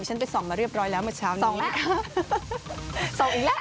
ฉันไปส่องมาเรียบร้อยแล้วเมื่อเช้านี้ส่องแล้วส่องอีกแล้ว